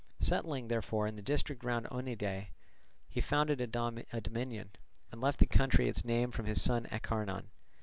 Settling, therefore, in the district round Oeniadae, he founded a dominion, and left the country its name from his son Acarnan.